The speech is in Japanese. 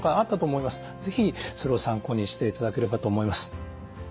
是非それを参考にしていただければと思います。